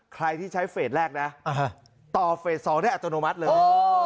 ใครที่ใช้เฟสแรกนะต่อเฟส๒ได้อัตโนมัติเลย